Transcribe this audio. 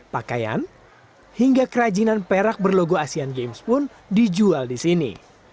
pakaian hingga kerajinan perak berlogo asean games pun dijual di sini